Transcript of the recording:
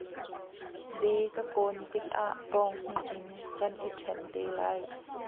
Bee kan kawn tikah pawnghnih in kan in ṭhenh te lai.